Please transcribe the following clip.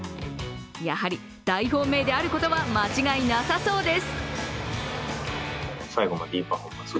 やはり大本命であることは間違いなさそうです。